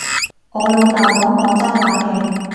我老豆講廣州話嘅